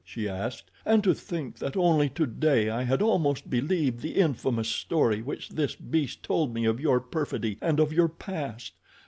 she asked. "And to think that only today I had almost believed the infamous story which this beast told me of your perfidy and of your past.